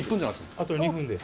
あと２分です。